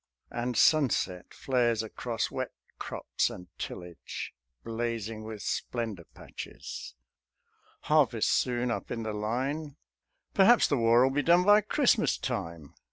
And sunset flares across wet crops and tillage, Blazing with splendour patches. Harvest soon Up in the Line. "Perhaps the War 'll be done _By Christmas time.